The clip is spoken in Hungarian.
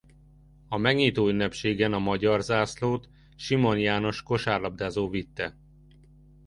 A megnyitóünnepségen a magyar zászlót Simon János kosárlabdázó vitte.